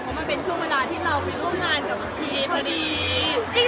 เพราะมันเป็นช่วงเวลาที่เราไปร่วมงานกับบางทีพอดี